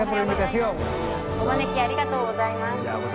お招きありがとうございます。